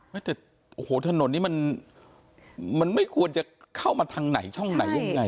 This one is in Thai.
ไม่แต่โอ้โหถนนนี้มันไม่ควรจะเข้ามาทางไหนช่องไหนยังไง